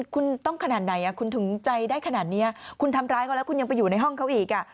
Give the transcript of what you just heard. คุณต้องขนาดไหนคุณถึงใจได้ขนาดนี้คุณทำร้ายเขาแล้วคุณยังไปอยู่ในห้องเขาอีก